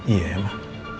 iya ya pak